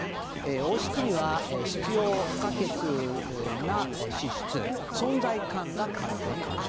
王室には必要不可欠な資質存在感が彼女にある。